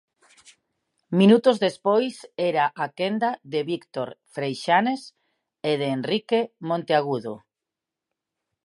Minutos despois era a quenda de Víctor Freixanes e de Henrique Monteagudo.